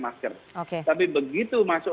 masker tapi begitu masuk